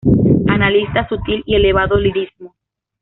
Analista sutil y elevado lirismo.